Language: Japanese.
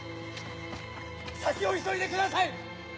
先を急いでください！